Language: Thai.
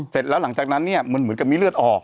เสร็จแล้วหลังจากนั้นเนี่ยมันเหมือนกับมีเลือดออก